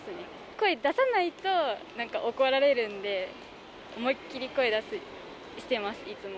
声出さないと、なんか怒られるんで、思いっきり声出してます、いつも。